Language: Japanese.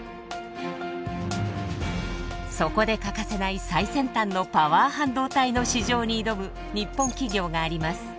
そこで欠かせない最先端のパワー半導体の市場に挑む日本企業があります。